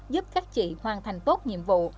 giúp các chị hoàn thành tốt nhiệm vụ